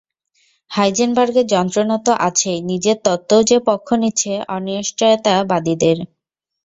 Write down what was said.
হাইজেনবার্গের যন্ত্রণা তো আছেই, নিজের তত্ত্বও যে পক্ষ নিচ্ছে অনিশ্চয়তাবাদীদের।